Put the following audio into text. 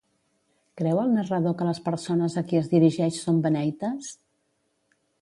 Creu el narrador que les persones a qui es dirigeix són beneites?